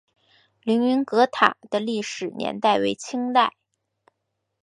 凌云阁塔的历史年代为清代。